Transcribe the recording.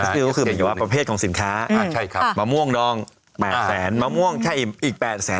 ก็คือประเภทของสินค้ามะม่วงดอง๘แสนมะม่วงใช่อีก๘แสน